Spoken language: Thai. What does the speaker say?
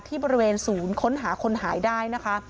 ที่บริเวณศูนย์ค้นหาคนหายได้นะคะ